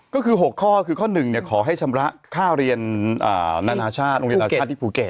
ก็คือ๖ข้อคือข้อ๑ขอให้ชำระค่าเรียนนานาชาติโรงเรียนนาชาติที่ภูเก็ต